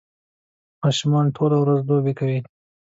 ماشومان ټوله ورځ لوبې کوي